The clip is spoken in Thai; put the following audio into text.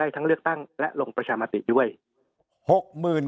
ทั้งเลือกตั้งและลงประชามติด้วย